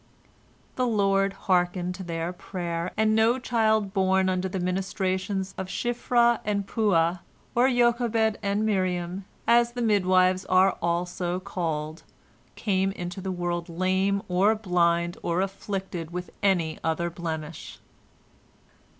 The Lord hearkened to their prayer, and no child born under the ministrations of Shiphrah and Puah, or Jochebed and Miriam, as the midwives are also called, came into the world lame or blind or afflicted with any other blemish.